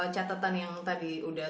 catatan yang tadi udah